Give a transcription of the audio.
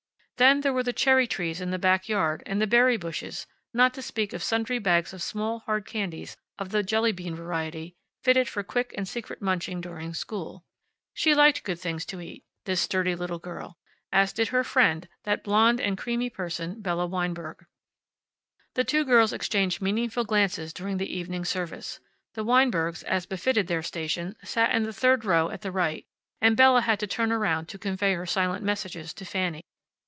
Then there were the cherry trees in the back yard, and the berry bushes, not to speak of sundry bags of small, hard candies of the jelly bean variety, fitted for quick and secret munching during school. She liked good things to eat, this sturdy little girl, as did her friend, that blonde and creamy person, Bella Weinberg. The two girls exchanged meaningful glances during the evening service. The Weinbergs, as befitted their station, sat in the third row at the right, and Bella had to turn around to convey her silent messages to Fanny.